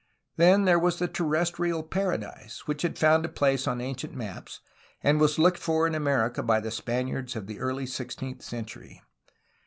Then there was the Terrestrial Paradise, which had found a place on ancient maps, and was looked for in America by the Spaniards of the early sixteenth century.